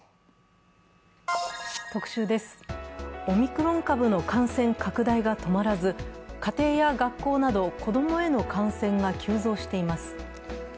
オミクロン株の感染拡大が止まらず家庭や学校など子供への感染が急増しています。